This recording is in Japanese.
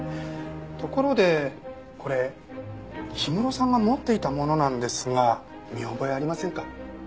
ところでこれ氷室さんが持っていたものなんですが見覚えありませんか？